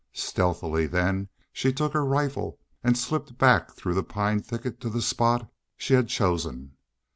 Stealthily then she took her rifle and slipped back through the pine thicket to the spot she had chosen.